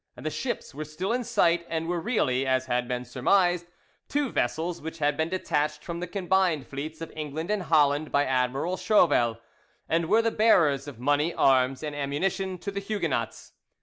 The ships were still in sight, and were really, as had been surmised, two vessels which had been detached from the combined fleets of England and Holland by Admiral Schowel, and were the bearers of money, arms, and ammunition to the Huguenots.